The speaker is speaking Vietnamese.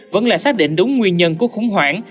vẫn là xác định đúng nguyên nhân của khủng hoảng